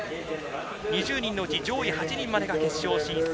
２０人のうち上位８人までが決勝進出。